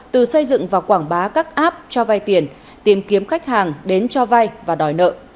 từ xây dựng và quảng bá các app cho vay tiền tìm kiếm khách hàng đến cho vay và đòi nợ